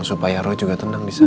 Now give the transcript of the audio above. supaya roy juga tenang disana ya